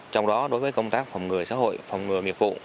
trong đó đối với công tác phòng ngừa xã hội phòng ngừa miệng phụ